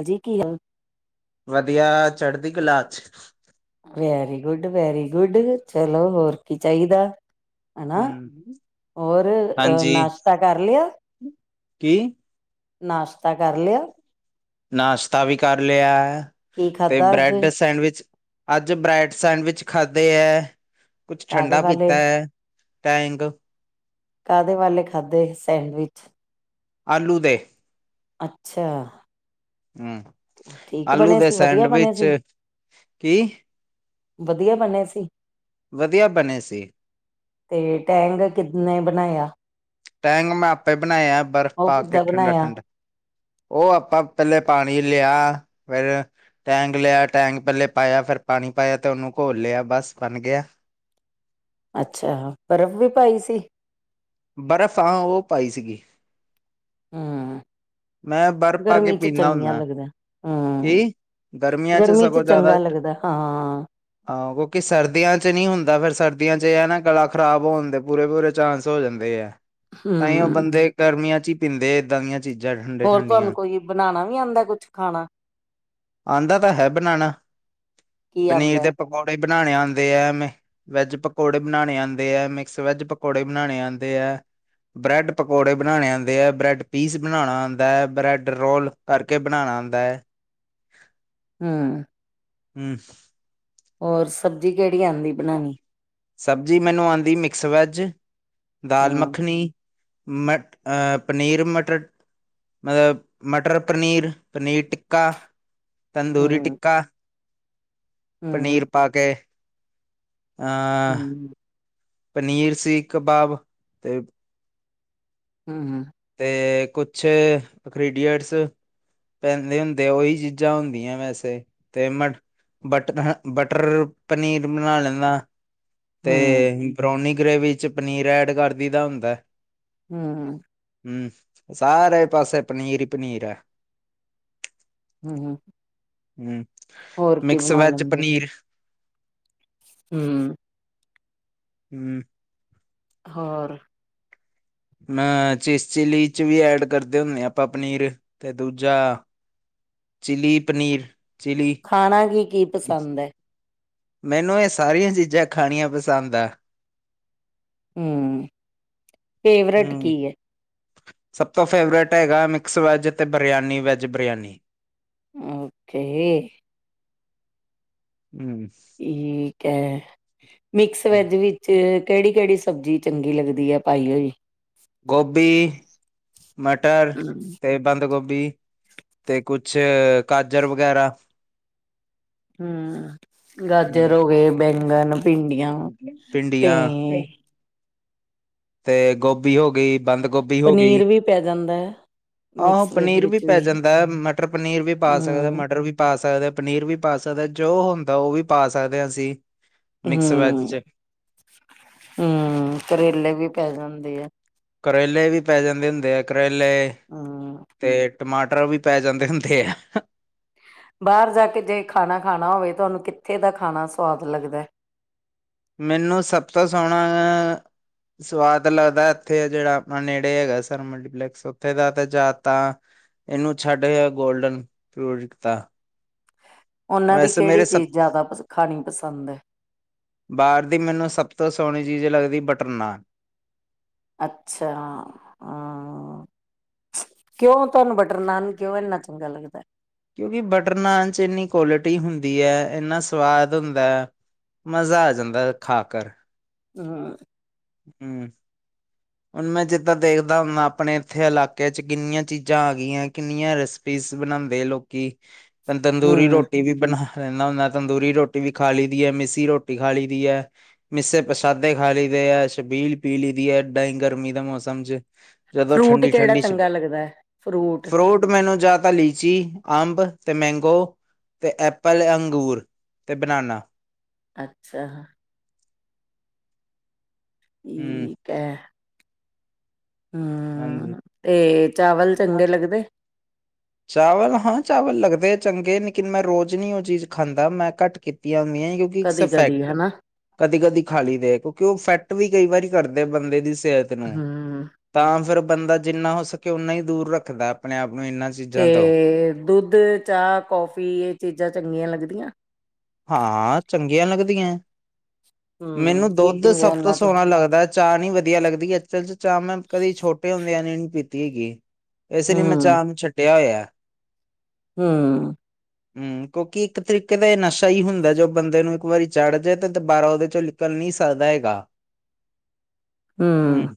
ਹਜੀ ਕੀ ਹਾਲ ਵਧੀਆ ਚੜ੍ਹਦੀ ਕਲਾ ਚ। ਵੈਰੀ ਗੁਡ ਵੈਰੀ ਗੁੱਡ ਚਲੋ ਹੋਰ ਕੀ ਚਾਹੀਦਾ। ਹੈਨਾ ਹੂੰ ਹੋਰ ਅ ਹਾਂਜੀ ਨਾਸ਼ਤਾ ਕਰ ਲਿਆ। ਕੀ? ਨਾਸ਼ਤਾ ਕਰ ਲਿਆ। ਨਾਸ਼ਤਾ ਵੀ ਕਰ ਲਿਆ ਹੈ, ਕੀ ਤੇ ਖਾਧਾ ਅੱਜ ਬ੍ਰੈਡ ਸੈਂਡਵਿਚ। ਅੱਜ ਬ੍ਰੈਡ ਸੈਂਡਵਿਚ ਖਾਧੇ ਹੈ ਕੁਛ ਕਾਹਦੇ ਠੰਡਾ ਪੀਤਾ ਵਾਲੇ ਹੈ। ਟੈਂਗ। ਕਾਹਦੇ ਵਾਲੇ ਖਾਧੇ ਸੈਂਡਵਿਚ ਆਲੂ ਦੇ ਅੱਛਾ ਹੂੰ ਠੀਕ ਆਲੂ ਬਣੇ ਦੇ ਸੀ, ਵਧੀਆ ਬਣੇ ਸੈਂਡਵਿਚ ਸੀ। ਕੀ ਵਧੀਆ ਬਣੇ ਸੀ। ਵਧੀਆ ਬਣੇ ਸੀ। ਅਤੇ ਟੈਂਗ ਕਿਦਨੇ ਬਣਾਇਆ। ਟੈਂਗ ਮੈਂ ਆਪੇ ਬਣਾਇਆ ਬਰਫ਼ ਉਹ ਪਾ ਕੇ ਕਿੱਦਾਂ ਠੰਡਾ ਬਣਾਇਆ ਠੰਡਾ। ਓ ਆਪਾਂ ਪਹਿਲੇ ਪਾਣੀ ਲਿਆ ਫੇਰ। ਟੈਂਕ ਲਿਆ ਟੈਂਕ ਪਹਿਲੇ ਪਾਇਆ ਫਿਰ ਪਾਣੀ ਪਾਇਆ ਤੇ ਉਹਨੂੰ ਘੋਲ ਲਿਆ ਬਸ ਬਣ ਗਿਆ। ਅੱਛਾ, ਬਰਫ਼ ਵੀ ਪਾਈ ਸੀ। ਬਰਫ਼ ਹਾਂ, ਓ ਪਾਈ ਸੀਗੀ। ਹੂੰ, ਮੈਂ ਬਰਫ਼ ਪਾ ਕੇ ਗਰਮੀ ਚ ਪੀਂਦਾ ਚੰਗੀਆਂ ਹੁੰਦਾ ਲੱਗਦਾ ਹੂੰ। ਕੀ ਗਰਮੀਆਂ ਗਰਮੀ ਚ ਚੰਗਾ ਲੱਗਦਾ ਹਾਂ। ਆ, ਕਿਉਂਕਿ ਸਰਦੀਆਂ ਚ ਨੀ ਹੁੰਦਾ ਫੇਰ ਸਰਦੀਆਂ ਚ ਏ ਐ ਨਾ ਗਲਾ ਖਰਾਬ ਹੋਣ ਦੇ ਪੂਰੇ ਪੂਰੇ ਚਾਂਸ ਹੋ ਜਾਂਦੇ ਆ ਤਾਂਈਓ ਹਮ ਬੰਦੇ ਗਰਮੀਆਂ ਚ ਈ ਪੀਂਦੇ ਏਦਾਂ ਦੀਆਂ ਚੀਜ਼ਾਂ। ਠੰਡੇ ਹੋਰ ਤੁਹਾਨੂੰ ਠੰਡੀਆਂ ਕੋਈ ਬਣਾਣਾ ਨੀ ਆਂਦਾ ਕੁਛ ਖਾਣਾ। ਆਂਦਾ ਤਾਂ ਹੈ ਬਣਾਣਾ ਕੀ ਪਨੀਰ ਆਂਦਾ ਦੇ ਪਕੌੜੇ ਬਣਾਣੇ ਆਂਦੇ ਆ ਐਵੇਂ। ਵੈੱਜ ਪਕੌੜੇ ਬਣਾਣੇ ਆਂਦੇ ਐ, ਮਿਕਸ ਵੈੱਜ ਪਕੌੜੇ ਬਣਾਣੇ ਆਂਦੇ ਐ। ਬ੍ਰੈਡ ਪਕੌੜੇ ਬਣਾਣੇ ਆਂਦੇ ਆ ਬ੍ਰੈਡ ਪੀਸ ਬਣਾਣਾ ਆਂਦਾ ਬ੍ਰੈਡ ਰੋਲ ਕਰਕੇ ਬਣਾਣਾ ਆਂਦਾ। ਹੂੰ, ਹੂੰ, ਔਰ, ਸਬਜ਼ੀ ਕਿਹੜੀ ਆਂਦੀ? ਬਣਾਣੀ ਸਬਜ਼ੀ ਮੈਨੂੰ ਆਂਦੀ ਮਿਕਸ ਵੈਜ, ਦਾਲ ਹੂੰ ਮੱਖਣੀ ਮ ਅ ਪਨੀਰ-ਮਟਰ ਮਤਲਬ, ਮਟਰ-ਪਨੀਰ, ਪਨੀਰ ਟਿੱਕਾ। ਤੰਦੂਰੀ ਹੂੰ ਟਿੱਕਾ, ਹੂੰ ਪਨੀਰ ਪਾਕੇ। ਆ ਹੂੰ ਪਨੀਰ ਸੀ ਕਬਾਬ, ਤੇ ਹੂੰ, ਤੇ, ਕੁਛ ਕ੍ਰੀਡੀਅਟਸ ਪੈਂਦੇ ਹੁੰਦੇ। ਉਹੀ ਚੀਜ਼ਾਂ ਹੁੰਦੀਆਂ ਵੈਸੇ, ਤੇ ਮ ਬਟਰ-ਬਟਰ ਪਨੀਰ ਬਣਾ ਲੈਨਾ। ਤੇ, ਹੂੰ ਬ੍ਰੋਨੀ ਗ੍ਰੇਵੀ'ਚ ਪਨੀਰ ਐਡ ਕਰ ਦਈ ਦਾ ਹੁੰਦਾ। ਹੂੰ, ਹੂੰ, ਸਾਰੇ ਪਾਸੇ ਪਨੀਰ ਈ ਪਨੀਰ ਆ। ਹੂੰ, ਹੂੰ। ਹੂੰ, ਹੋਰ ਕੀ ਮਿਕਸ ਬਣਾ ਵੈਜ ਲੈਂਦੇ ਪਨੀਰ। ਹੂੰ। ਹੂੰ, ਹੋਰ? ਮੈਂ ਚਿਸ ਚਿੱਲੀ'ਚ ਵੀ ਐਡ ਕਰਦੇ ਹੁੰਨੇ ਆ ਆਪਾਂ ਪਨੀਰ, ਤੇ ਦੂਜਾ ਚਿੱਲੀ ਪਨੀਰ, ਚਿੱਲੀ। ਖਾਣਾ ਕੀ ਕੀ ਪਸੰਦ ਐ ਮੈਨੂੰ, ਏ ਸਾਰੀਆਂ ਚੀਜ਼ਾਂ ਖਾਣੀਆਂ ਪਸੰਦ ਆ। ਹੂੰ, ਫੇਵਰੇਟ ਹਮ ਕੀ ਏ? ਸਭ ਤੋਂ ਫੇਵਰੇਟ ਹੈਗਾ ਮਿਕਸ ਵੈੱਜ, ਤੇ ਬਰਿਆਨੀ, ਵੈੱਜ ਬਰਿਆਨੀ। ਓਕੇ! ਹੂੰ। ਠੀਕ ਐ, ਮਿਕਸ ਵੈਜ ਵਿੱਚ ਕਿਹੜੀ-ਕਿਹੜੀ ਸਬਜ਼ੀ ਚੰਗੀ ਲੱਗਦੀ ਐ, ਪਾਈ ਹੋਈ। ਗੋਭੀ, ਮਟਰ ਤੇ ਬੰਦ-ਗੋਭੀ ਤੇ ਕੁਛ ਗਾਜਰ ਵਗੈਰਾ। ਹੂੰ, ਗਾਜਰ ਹਮ, ਹੋਗੇ ਬੈਗਨ, ਭਿੰਡੀਆਂ ਭੇ ਭਿੰਡੀਆਂ ਤੇ ਗੋਭੀ ਹੋ ਗਈ। ਬੰਦ ਗੋਭੀ ਹੋ ਗਈ ਪਨੀਰ ਵੀ ਪੈ ਜਾਂਦੈ। ਆਹੋ, ਪਨੀਰ ਵੀ ਪੈ ਜਾਂਦੈ, ਮਟਰ ਪਨੀਰ ਵੀ ਪਾ ਸਕਦੇ, ਹਮ ਮਟਰ ਵੀ ਪਾ ਸਕਦੇ, ਪਨੀਰ ਵੀ ਪਾ ਸਕਦੇ, ਜੋ ਹੁੰਦਾ ਉਹ ਵੀ ਪਾ ਸਕਦੇ ਹਾਂ ਅਸੀਂ, ਮਿਕਸ ਵੈਜ-ਚ। ਹੂੰ, ਕਰੇਲੇ ਵੀ ਪੈ ਜਾਂਦੇ ਆ। ਕਰੇਲੇ ਵੀ ਪੈ ਜਾਂਦੇ ਹੁੰਦੇ ਆ, ਕਰੇਲੇ ਹਾਂ। ਤੇ, ਟਮਾਟਰ ਵੀ ਪੈ ਜਾਂਦੇ ਹੁੰਦੇ ਆ। ਬਾਹਰ ਜਾਕੇ ਜੇ ਖਾਣਾ, ਖਾਣਾ ਹੋਵੇ ਤੁਹਾਨੂੰ ਕਿੱਥੇ ਦਾ ਖਾਣਾ ਸਵਾਦ ਲੱਗਦੈ? ਮੈਨੂੰ ਸਭ ਤੋਂ ਸੋਹਣਾ ਸਵਾਦ ਲੱਗਦੈ ਇੱਥੇ ਆ ਜਿਹੜਾ ਆਪਣਾ ਨੇੜੇ ਹੈਗੈ ਸਰ ਮਲਟੀਪਲੈਕਸ ਉੱਥੇ ਦਾ ਤੇ ਜਾ ਤਾਂ ਇਹਨੂੰ ਛੱਡ ਗੋਲਡਨ ਪਿਓਰ ਤਾਂ। ਉਹਨਾਂ ਦੀ ਕਿਹੜੀ ਸਭ ਚੀਜ਼ ਜ਼ਿਆਦਾ ਖਾਣੀ ਪਸੰਦ ਹੈ? ਬਾਹਰ ਦੀ ਮੈਨੂੰ ਸਭ ਤੋਂ ਸੋਹਣੀ ਚੀਜ਼ ਲੱਗਦੀ ਬਟਰ ਨਾਨ। ਅੱਛਾ! ਹਾਂ ਕਿਉਂ ਤੁਹਾਨੂੰ ਬਟਰ ਨਾਨ, ਕਿਉਂ ਇੰਨਾ ਚੰਗਾ ਲੱਗਦੈ? ਕਿਉਂਕਿ ਬਟਰ ਨਾਨ'ਚ ਇੰਨੀ ਕੋਲਿਟੀ ਹੁੰਦੀ ਹੈ, ਇੰਨਾ ਸਵਾਦ ਹੁੰਦੈ। ਮਜ਼ਾ ਆ ਜਾਂਦਾ ਖਾਕਰ। ਹੂੰ ਹੂੰ ਹੁਣ ਮੈਂ ਜਿੱਦਾਂ ਦੇਖਦਾ ਹੁੰਨਾ ਆਪਣੇ ਇੱਥੇ ਇਲਾਕੇ ਚ ' ਕਿੰਨੀਆਂ ਚੀਜ਼ਾਂ ਆ ਗਈਐ ਕਿੰਨੀਆਂ ਰੈਸ ਪੀਸ ਬਣਾਂਦੇ ਐ ਲੋਕੀ ਤੰਦੂਰੀ ਹਮ ਰੋਟੀ ਵੀ ਬਣਾ ਰਹਿੰਨਾ ਹੁੰਨਾ ਤੰਦੂਰੀ ਰੋਟੀ ਵੀ ਖਾ ਲਈ ਦੀ ਐ ਮਿੱਸੀ ਰੋਟੀ ਖਾ ਲਈ ਦੀ ਐ ਮਿਸੇ ਪ੍ਰਸ਼ਾਦੇ ਖਾ ਲਈਦੇ ਐ ਛਬੀਲ ਪੀ ਲਈ ਦੀ ਐ ਏਦਾਂ ਹੀ ਗਰਮੀ ਦੇ ਮੌਸਮ ਚ ਜਦੋਂ ਫਰੂਟ ਠੰਡੀ ਕਿਹੜਾ ਠੰਡੀ ਸੀ ਬ ਚੰਗਾ ਲੱਗਦਾ ਹੈ ਫਰੂਟ ਮੈਨੂੰ ਜਾਂ ਤਾਂ ਲੀਚੀ ਅੰਬ ਤੇ ਮੈਂਗੋ ਤੇ ਐੱਪਲ ਅੰਗੂਰ ਤੇ ਬਨਾਨਾ ਅੱਛਾ ਹੂੰ ਠੀਕ ਹੈ ਹਾਂਜੀ। ਹਮ ਤੇ ਚਾਵਲ ਚੰਗੇ ਲੱਗਦੇ ਨੇ [inaudible] ਚਾਵਲ ਹਾਂ ਚਾਵਲ ਲੱਗਦੇ ਚੰਗੇ ਲੇਕਿਨ ਮੈਂ ਰੋਜ਼ ਨਹੀਂ ਉਹ ਚੀਜ਼ ਖਾਂਦਾ ਮੈਂ ਘੱਟ ਕੀਤੀਆਂ ਹੋਈਐ। ਕਦੀ ਕਦੀ ਫੈਕਟ ਹਨਾ ਕਦੀ ਕਦੀ ਖਾ ਲਈਦੈ ਕਿਉਂਕਿ ਉਹ ਇਫੈਕਟ ਵੀ ਕਈ ਵਾਰੀ ਕਰਦੇ ਬੰਦੇ ਦੀ ਸਿਹਤ ਨੂੰ ਹੂੰ। ਤਾਂ ਫਿਰ ਬੰਦਾ ਜਿੰਨਾ ਹੋ ਸਕੇ ਓਨਾ ਹੀ ਦੂਰ ਰੱਖਦੈ ਆਪਣੇ ਆਪ ਨੂੰ ਇੰਨਾ ਤੇ ਦੁੱਧ ਚਾਹ ਕੌਫੀ ਇਹ ਚੀਜ਼ਾਂ ਚੰਗੀਆਂ ਲੱਗਦੀਐ। ਹਾਂ ਚੰਗੀਆਂ ਲੱਗਦੀਐ ਹੂੰ, ਮੈਨੂੰ ਕੀ ਦੁੱਧ ਪੀਂਦੇ ਸਭ ਤੋਂ ਉਹਨਾਂ ਚੋਂ? ਸੁਆਦ ਲੱਗਦਾ ਚਾਹ ਨੀ ਵਧੀਆ ਲੱਗਦੀ ਅਸਲ ਚ ਚਾਹ ਮੈਂ ਕਦੇ ਛੋਟੇ ਹੁੰਦਿਆਂ ਨੇ ਨੀ ਪੀਤੀ ਹੈਗੀ ਇਸੇ ਲਈ ਮੈਂ ਹੂੰ, ਚਾਹ ਨੂੰ ਛੱਡਿਆ ਹੋਇਐ। ਹਮ ਹਮ ਕਿਉਂਕਿ ਇੱਕ ਤਰੀਕੇ ਦਾ ਏ ਨਸ਼ਾ ਹੀ ਹੁੰਦੈ ਜੋ ਬੰਦੇ ਨੂੰ ਇੱਕ ਵਾਰੀ ਚੜ ਜੇ ਤੇ ਦੁਬਾਰਾ ਉਹਦੇ ਚੋਂ ਨਿਕਲ ਨਹੀਂ ਸਕਦਾ ਹੈਗਾ। ਹਮ ਹੂੰ,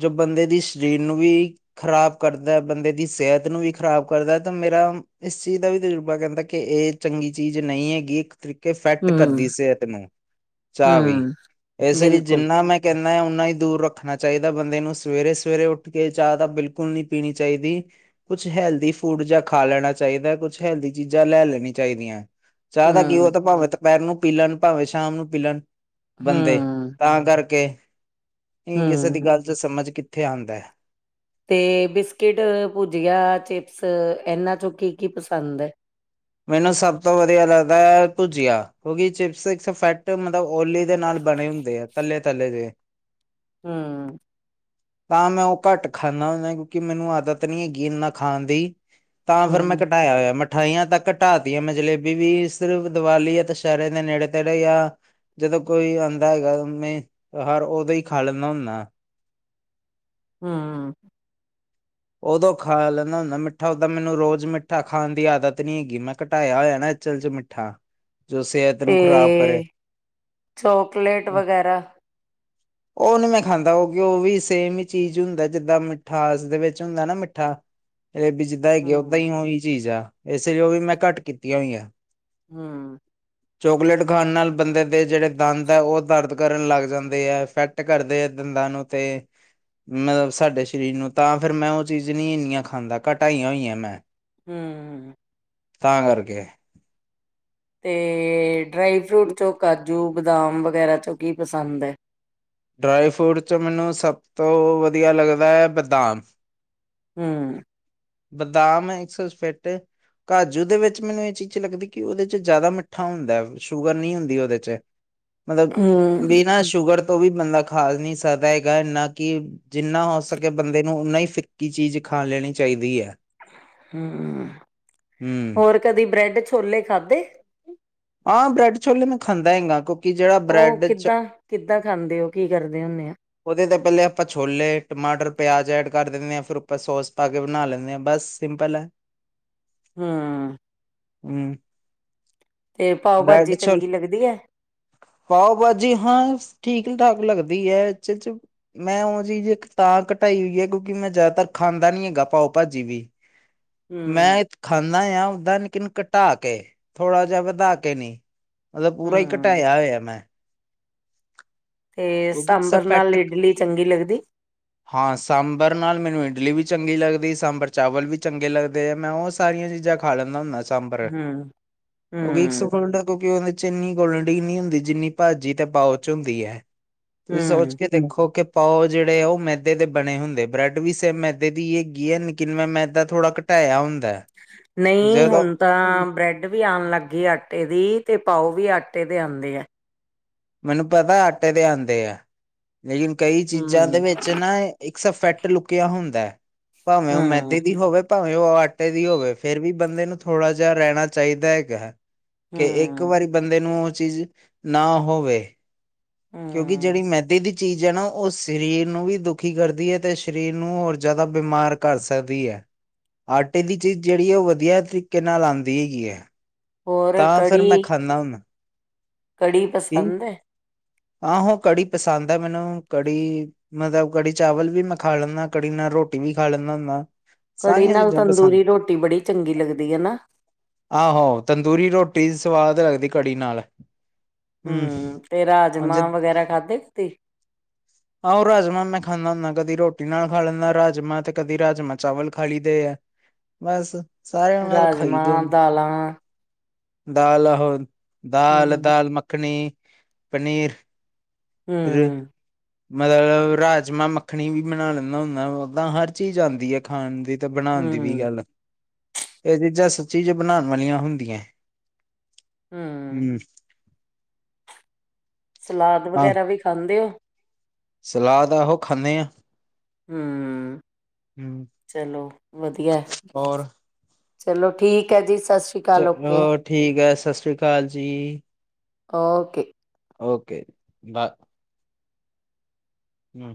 ਜੋ ਬੰਦੇ ਦੀ ਸਰੀਰ ਨੂੰ ਵੀ ਖ਼ਰਾਬ ਕਰਦੈ ਬੰਦੇ ਦੀ ਸਿਹਤ ਨੂੰ ਵੀ ਖ਼ਰਾਬ ਕਰਦੈ ਤਾਂ ਮੇਰਾ ਇਸ ਚੀਜ਼ ਦਾ ਵੀ ਤਜੁਰਬਾ ਕਹਿੰਦਾ ਕਿ ਇਹ ਚੰਗੀ ਚੀਜ਼ ਨਹੀਂ ਹੈਗੀ ਇੱਕ ਤਰੀਕੇ ਇਫੈਕਟ ਹੂੰ, ਕਰਦੀ ਸਿਹਤ ਨੂੰ ਚਾਹ ਵੀ ਹੂੰ, ਇਸੇ ਲਈ ਬਿਲਕੁਲ। ਜਿੰਨਾ ਮੈਂ ਕੇਨਾ, ਓਨਾ ਹੀ ਦੂਰ ਰੱਖਣਾ ਚਾਈਦਾ, ਬੰਦੇ ਨੂੰ ਸਵੇਰੇ- ਸਵੇਰੇ ਉੱਠ ਕੇ ਚਾਹ ਤਾਂ ਬਿਲਕੁਲ ਨੀ ਪੀਣੀ ਚਾਈਦੀ। ਕੁਛ ਹੈਲਦੀ ਫੂਡ ਜੇਆ ਖਾ ਲੈਣਾ ਚਾਈਦਾ, ਕੁਛ ਹੈਲਦੀ ਚੀਜਾਂ ਲੈ ਲੈਣੀ ਚਾਈਦੀਆਂ। ਚਾਹ ਦਾ ਕਿ ਐ, ਓ ਹੂੰ, ਤਾਂ ਭਾਵੇਂ ਦੁਪੈਰ ਨੂੰ ਪੀ ਲੈਨ, ਭਾਵੇਂ ਸ਼ਾਮ ਨੂੰ ਪੀ ਲੈਨ, ਬੰਦੇ ਹੂੰ, ਤਾਂ ਕਰਕੇ, ਕਿਸੇ ਦੀ ਹੂੰ। ਗੱਲ 'ਚ ਸਮਝ ਕਿੱਥੇ ਆਂਦਾ। ਤੇ, ਬਿਸਕਿਟ, ਭੁਜੀਆ, ਚਿਪਸ ਏਨਾਂ ਚੋਂ ਕੀ- ਕੀ ਪਸੰਦ ਐ? ਮੈਨੂੰ ਸਬ ਤੋਂ ਵਦੀਆ ਲੱਗਦਾ ਭੁਜੀਆ, ਕਿਉਂਕਿ ਚਿਪਸ ਇਟਸ ਇਫੈਕਟ ਮਤਲਬ ਓਲੀ ਦੇ ਨਾਲ ਬਣੇ ਹੁੰਦੇ ਆ। ਤੱਲੇ -ਤੱਲੇ ਜੇ। ਹੂੰ। ਤਾਂ ਮੈਂ ਓ ਘੱਟ ਖਾਂਨਾ ਹੁੰਦਾ, ਕਿਉਂਕਿ ਮੈਨੂੰ ਆਦਤ ਨਈ ਹੈਗੀ ਇੰਨਾ ਖਾਂਨ ਦੀ। ਤਾਂ, ਫੇਰ ਮੈਂ ਹੂੰ। ਘਟਾਇਆ ਹੋਏਆ ਮਿਠਾਈਆਂ ਤੱਕ ਘਟਾ ਤੀ ਆ ਮੈਂ ਜਲੇਬੀ ਵੀ, ਸਿਰਫ਼ ਦੀਵਾਲੀ ਯਾ ਦਸ਼ੈਹਰੇ ਦੇ ਨੇੜੇ- ਤੇੜੇ, ਯਾ ਜਦੋਂ ਕੋਈ ਆਂਦਾ ਹੈਗਾ, ਮੈਂ ਹਰ ਓਦੋਂ ਹੀ ਖਾ ਲੈਂਨਾ ਹੁੰਨਾ। ਹਮ। ਓਦੋਂ ਖਾ ਲੈਂਨਾ ਹੁੰਨਾ ਮਿੱਠਾ, ਓਦਾਂ ਮੈਨੂੰ ਰੋਜ ਮਿੱਠਾ ਖਾਣ ਦੀ ਆਦਤ ਨੀ ਹੈਗੀ, ਮੈਂ ਘਟਾਇਆ ਹੋਏਆ ਨਾ। ਚਲ ਚ ਮਿੱਠਾ, ਜੋ ਸੇਹਤ ਤੇ, ਚੋਕਲੇਟ ਵਗੈਰਾ? ਓ ਨੀ ਮੈਂ ਖਾਂਦਾ, ਓ ਕਿ ਓ ਵੀ ਸੇਮ ਹੀ ਚੀਜ਼ ਹੁੰਦਾ, ਜਿੱਦਾਂ ਮਿੱਠਾਸ ਦੇ ਵਿੱਚ ਹੁੰਦਾ ਨਾ, ਮਿੱਠਾ। ਏਹ ਵੀ ਜਿੱਦਾਂ ਹੈਗੀ, ਓਦਾਂ ਹੂੰ, ਈ ਓਹੀ ਚੀਜ਼ ਆ, ਇਸ ਲਈ ਓ ਵੀ ਮੈਂ ਘੱਟ ਕੀਤੀਆਂ ਹੋਈਆ। ਹਮ। ਚੋਕਲੇਟ ਖਾਣ ਨਾਲ, ਬੰਦੇ ਦੇ ਜੇਹੜੇ ਦੰਦ ਐ, ਓ ਦਰਦ ਕਰਨ ਲੱਗ ਜਾਂਦੇ ਐ। ਫੈਕਟ ਕਰਦੇ ਆ ਦੰਦਾਂ ਨੂੰ, ਤੇ ਮਤਲਬ ਸਾਡੇ ਸ਼ਰੀਰ ਨੂੰ, ਤਾਂ ਫਿਰ ਮੈਂ ਉਹ ਚੀਜ਼ ਨੀ ਇੰਨੀਆਂ ਖਾਂਦਾ, ਘਟਾਈਆਂ ਹੋਈਆਂ ਮੈਂ। ਹਮਮ। ਤਾਂ, ਕਰਕੇ। ਤੇ, ਡਰਾਈ ਫਰੂਟ ਚੋਂ ਕਾਜੂ, ਬਦਾਮ ਵਗੈਰਾ ਚੋਂ ਕੀ ਪਸੰਦ ਐ। ਡਰਾਈ ਫਰੂਟ ਚੋ, ਮੈਨੂੰ ਸਬ ਤੋਂ ਵਦੀਆ ਲੱਗਦੈ ਬਦਾਮ। ਹਮ। ਬਦਾਮ ਐ ਇੱਕ [unintelligible] ਕਾਜੂ ਦੇ ਵਿੱਚ ਮੈਨੂੰ ਏਹ ਚੀਜ ਲੱਗਦੀ, ਕਿ ਓਦੇ ਚ ਜਾਦਾ ਮਿੱਠਾ ਹੁੰਦਾ ਐ ਸ਼ੂਗਰ ਨਈ ਹੁੰਦੀ ਓਦੇ ਚ, ਮਤਲਬ ਹੂੰ, ਬਿਨਾਂ ਸ਼ੂਗਰ ਤੋਂ ਵੀ ਬੰਦਾ ਖਾ ਨੀ ਸਕਦਾ ਹੈਗਾ ਇੰਨਾ ਕਿ ਜਿੰਨਾ, ਹੋ ਸਕੇ ਬੰਦੇ ਨੂੰ ਓਨਾ ਈ ਫਿੱਕੀ ਚੀਜ ਖਾ ਲੈਣੀ ਚਾਈਦੀ ਐ। ਹਮ, ਹਮ ਹੋਰ ਕਦੀ ਬ੍ਰੈਡ ਛੋਲੇ ਖਾਧੇ? ਹਾਂ, ਬ੍ਰੈਡ ਛੋਲੇ ਮੈਂ ਖਾਂਦਾ ਹੈੰਗਾ ਕੋ ਓ ਕਿੱਦਾਂ, ਕਿੱਦਾਂ ਖਾਂਦੇ ਓ ਕੀ ਕਰਦੇ ਹੁੰਨੇ ਓ? ਉਦੇ ਤੋਂ ਪੈਲੇ ਆਪਾਂ ਛੋਲੇ, ਟਮਾਟਰ, ਪਿਆਜ ਐਡ ਕਰ ਦੇਨੇ ਆ, ਫਿਰ ਉਪਰ ਸੋਸ ਪਾ ਕੇ ਬਣਾ ਲੈਂਨੇ ਆ ਬਸ। ਸਿੰਪਲ ਐ। ਹਮ। ਹਮ। ਤੇ, ਪਾਓ- ਭਾਜੀ ਬ੍ਰੈਡ ਛੋਲ ਚੰਗੀ ਲੱਗਦੀ ਐ? ਪਾਓ -ਬਾਜੀ, ਹਾਂ ਠੀਕ -ਠਾਕ ਲੱਗਦੀ ਐ। ਅਚਲ ਚ ਮੈਂ, ਓ ਚੀਜ਼ ਇੱਕ ਤਾਂ ਘਟਾਈ ਹੋਈ ਐ ਕਿਉਂਕਿ ਮੈਂ ਜਾਆਦਾਤਰ ਖਾਂਦਾ ਨੀ ਹੈਗਾ, ਪਾਓ ਭਾਜੀ ਵੀ [inaudible] ਹੂੰ, ਮੈਂ ਖਾਂਨਾ ਆ ਓਦਾਂ, ਲੇਕਿਨ ਘਟਾ ਕੇ, ਥੋੜ੍ਹਾ ਜੇਹਾ ਵਧਾ ਕੇ ਨੀਂ ਮਤਲਬ, ਪੂਰਾ ਈ ਹੂੰ। ਘਟਾਇਆ ਹੋਏਆ ਮੈਂ ਤੇ ਕਿਉਂਕਿ ਸਾਂਬਰ ਨਾਲ ਸਫੈਕਟ ਇਡਲੀ ਚੰਗੀ ਲੱਗਦੀ। [inaudible] ਹਾਂ ਸਾਂਬਰ ਨਾਲ ਮੈਨੂੰ ਇਡਲੀ ਵੀ ਚੰਗੀ ਲੱਗਦੀ। ਸਾਂਬਰ ਚਾਵਲ ਵੀ ਚੰਗੇ ਲੱਗਦੇ ਆ ਮੈਂ ਉਹ ਸਾਰੀਆਂ ਚੀਜ਼ਾਂ ਖਾ ਲੈਨਾ ਹੁੰਨਾ ਸਾਂਬਰ, ਹੂੰ, ਓਹ ਵੀ ਇਕਸ ਹੂੰ, ਫੂਡ ਆ ਕਿਉਕਿ ਓਹਦੇ 'ਚ ਚ ਇੰਨੀ ਕੋਲੰਟੀਨ ਨੀ ਹੁੰਦੀ ਜਿੰਨੀ ਭਾਜੀ ਤੇ ਪਾਓ ਚ ਹੁੰਦੀ ਐ। ਤੁਸੀਂ ਸੋਚ ਹੂੰ। ਕੇ ਦੇਖੋ ਕਿ ਪਾਓ ਆ ਜਿਹੜੇ ਆ ਉਹ ਮੈਦੇ ਦੇ ਬਣੇ ਹੁੰਦੇ, ਬ੍ਰੈਡ ਵੀ ਸੇਮ ਮੈਦੇ ਦੀ ਹੈਗੀ ਐ ਕੀਨਾ ਮੈਦਾ ਮੈਦ ਥੋੜ੍ਹਾ ਘਟਾਇਆ ਹੁੰਦਾ। ਨਹੀਂ ਜਦੋਂ ਹੁਣ ਤਾਂ ਬ੍ਰੈਡ ਡ ਵੀ ਆਉਣ ਲੱਗ ਗਈ ਆ ਆਟੇ ਦੀ ਤੇ ਪਾਓ ਵੀ ਆਟੇ ਦੇ ਆਉਂਦੇ ਆ। ਮੈਨੂੰ ਪਤਾ ਆਟੇ ਦੇ ਆਦੇ ਆ, ਲੇਕਿਨ ਕਈ ਚੀਜ਼ਾਂ ਹੂੰ, ਦੇ ਵਿੱਚ ਨਾ ਇੱਕਸਾ ਫੈਟ ਲੁਕਿਆ ਹੁੰਦਾ, ਭਾਵੇਂ ਉਹ ਹੂੰ, ਮੈਦੇ ਦੀ ਹੋਵੇ ਭਾਵੇਂ ਉਹ ਆਟੇ ਦੀ ਹੋਵੇ ਫੇਿਰ ਵੀ ਬੰਦੇ ਨੂੰ ਥੋੜ੍ਹਾ ਜਿਹਾ ਰਹਿਣਾ ਚਾਹੀਦਾ ਹੈਗਾ ਕਿ ਇੱਕ ਇੱਕ ਹੂੰ, ਵਾਰੀ ਬੰਦੇ ਨੂੰ ਉਹ ਚੀਜ਼ ਨਾ ਹੋਵੇ ਕਿਉਂਕਿ ਹੂੰ। ਜਿਹੜੀ ਮੈਦੀ ਦੀ ਚੀਜ਼ ਹੈ ਨਾ ਉਹ ਸਰੀਰ ਨੂੰ ਵੀ ਦੁਖੀ ਕਰਦੀ ਆ ਤੇ ਸਰੀਰ ਨੂੰ ਹੋਰ ਜ਼ਿਆਦਾ ਬਿਮਾਰ ਕਰ ਸਕਦੀ ਐ। ਆਟੇ ਦੀ ਚੀਜ਼ ਜਿਹੜੀ ਆ ਉਹ ਵਧੀਆ ਤਰੀਕੇ ਨਾਲ ਆਂਦੀ ਹੈਗੀ ਐ। ਹੋਰ ਕੜੀ ਨਾ ਨਾ ਕੜੀ ਪਸੰਦ ਹੈ? ਆਹੋ ਕੜੀ ਪਸੰਦ ਆ ਮੈਨੂੰ ਕੜੀ ਮਤਬ ਕੜੀ ਚਾਵਲ ਵੀ ਮੈਂ ਖਾ ਲੈਂਨਾ, ਕੜੀ ਨਾਲ ਰੋਟੀ ਵੀ ਖਾ ਲੈਂਨਾ ਹੁੰਨਾ। ਕੜੀ ਨਾਲ ਤੰਦੂਰੀ ਰੋਟੀ ਬੜੀ ਚੰਗੀ ਲੱਗਦੀ ਆ ਨਾ। ਆਹੋ ਤੰਦੂਰੀ ਰੋਟੀ ਸਵਾਦ ਲੱਗਦੀ ਘੜੀ ਨਾਲ ਹਮ ਹੂੰ, ਤੇ ਹਾਂਜੀ ਰਾਜਮਾਂ ਵਗੈਰਾ ਖਾਧੇ ਕਦੀ? ਆਹੋ ਰਾਜਮਾਂ ਮੈਂ ਖਾਂਦਾ ਹੁੰਦਾ ਕਦੀ ਰੋਟੀ ਨਾਲ ਖਾ ਲੈਂਦਾ ਰਾਜਮਾਂ ਤੇ ਕਦੀ ਰਾਜਮਾਂ ਚਾਵਲ ਖਾ ਲਈਦੇ ਆ। ਬਸ ਸਾਰਿਆਂ ਨਾਲ ਖਾਈਦੇ ਰਾਜਮਾਂ ਦਾਲਾਂ ਨੇ ਦਾਲ ਆਹੋ ਦਾਲ ਹਮ ਦਾਲ ਮੱਖਣੀ ਪਨੀਰ ਹੂੰ ਮਲਬ ਰਾਜਮਾਂ ਮੱਖਣੀ ਵੀ ਬਣਾ ਲੈਂਨਾ ਹੁੰਨਾ, ਓਦਾਂ ਹਰ ਚੀਜ਼ ਆਦੀ ਐ। ਖਾਣ ਦੀ ਤੇ ਬਣਾਉਣ ਦੀ ਵੀ ਹਮ ਗੱਲ, ਇਹ ਚੀਜ਼ਾਂ ਸੱਚੀ 'ਚ ਬਣਾਣ ਵਾਲੀਆਂ ਹੁੰਦੀਆਂ। ਹਮ ਹੂੰ। ਸਲਾਦ ਹਾਂ ਵਗੈਰਾ ਵੀ ਖਾਂਦੇ ਹੋ? ਸਲਾਦ ਆਹੋ ਖਾਂਨੇ ਆ। ਹੂੰ, ਹਮ ਚਲੋ ਵਧੀਆ। ਹੋਰ ਚਲੋ ਠੀਕ ਹੈ ਜੀ ਸਸ ਸ਼੍ਰੀ ਚ ਅਕਾਲ ਓਕੇ ਹੋਰ ਠੀਕ ਹੈ ਸਤਿ ਸ੍ਰੀ ਅਕਾਲ ਜੀ। ਓਕੇ। ਓਕੇ ਬਾ ਹੂੰ।